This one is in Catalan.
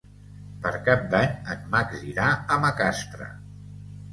Per Cap d'Any en Max irà a Macastre.